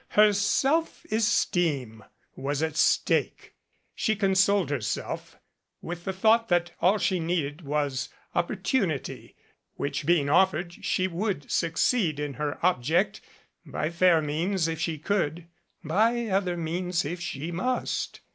Her self esteem was at stake. She consoled herself with the thought that all she needed was opportunity, which being offered, she would succeed in her object, by fair means if she could, by other means if she must.